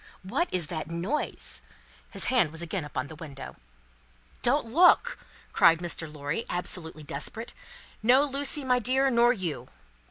What is that noise?" His hand was again upon the window. "Don't look!" cried Mr. Lorry, absolutely desperate. "No, Lucie, my dear, nor you!"